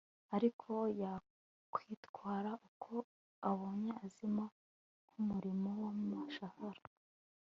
ariko yakwitwara uko abonye azima nkumuriro wamashara